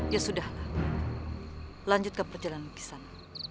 ya sudah lah lanjutkan perjalanan